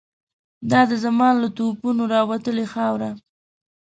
دا د زمان له توپانونو راوتلې خاوره